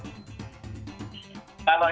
ada berapa banyak mas